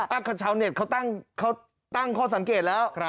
ชาวเน็ตเขาตั้งข้อสังเกตแล้ว